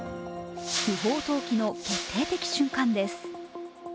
不法投棄の決定的瞬間です。